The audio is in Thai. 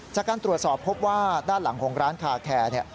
จากการตรวจสอบพบว่าด้านหลังของร้านคาแคร์